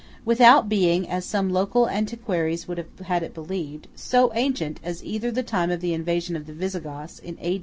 Without being (as some local antiquaries would have it believed) so ancient as either the time of the invasion of the Visigoths in A.